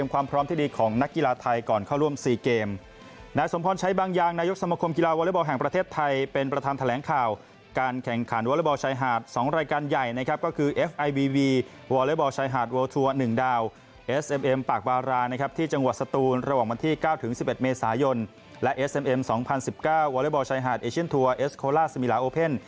วอเลเบอร์ชายหาดเอเชียนทัวร์เอสโคลาสมีลาโอเป็น